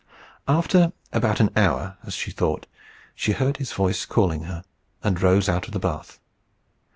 After about an hour, as she thought, she heard his voice calling her, and rose out of the bath.